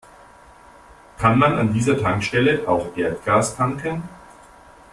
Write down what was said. Kann man an dieser Tankstelle auch Erdgas tanken?